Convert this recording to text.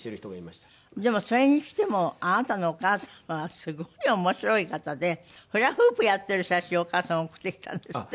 でもそれにしてもあなたのお母様はすごい面白い方でフラフープやってる写真をお母様送ってきたんですって？